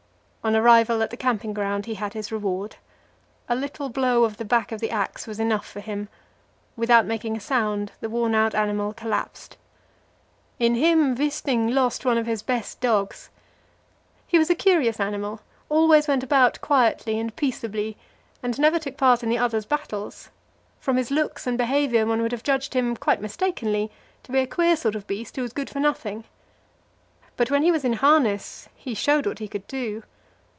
On arrival at the camping ground he had his reward. A little blow of the back of the axe was enough for him; without making a sound the worn out animal collapsed. In him Wisting lost one of his best dogs. He was a curious animal always went about quietly and peaceably, and never took part in the others' battles; from his looks and behaviour one would have judged him, quite mistakenly, to be a queer sort of beast who was good for nothing. But when he was in harness he showed what he could do.